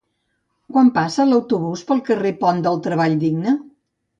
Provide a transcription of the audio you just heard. Quan passa l'autobús pel carrer Pont del Treball Digne?